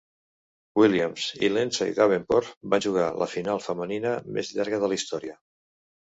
Williams i Lindsay Davenport van jugar la final femenina més llarga de la història.